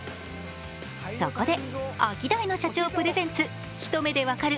そこでアキダイの社長プレゼンツ、一目で分かる！